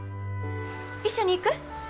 一緒に行く？